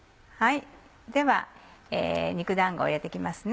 では肉だんご入れて行きますね。